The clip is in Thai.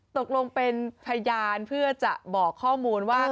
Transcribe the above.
ตกลงเป็นพยานเพื่อจะบอกข้อมูลว่า